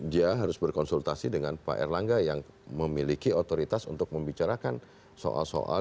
dia harus berkonsultasi dengan pak erlangga yang memiliki otoritas untuk membicarakan soal soal